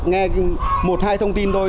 nghe một hai thông tin thôi